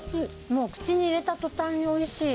もう口に入れた途端に美味しい。